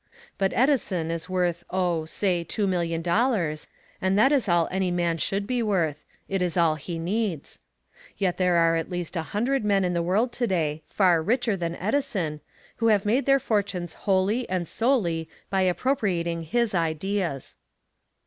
But Edison is worth, oh, say, two million dollars, and that is all any man should be worth it is all he needs. Yet there are at least a hundred men in the world today, far richer than Edison, who have made their fortunes wholly and solely by appropriating his ideas.